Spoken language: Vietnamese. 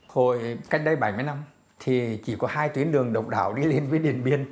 hồi cách đây bảy mươi năm thì chỉ có hai tuyến đường độc đạo đi liền với điện biên